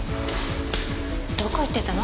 どこ行ってたの？